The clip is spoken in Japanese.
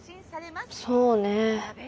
そうね。